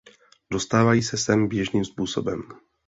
Dostávají se sem běžným způsobem.